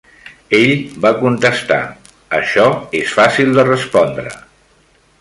Ell va contestar: això es fàcil de respondre.